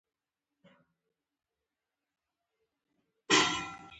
قاتل د قانون منګولو ته اړ دی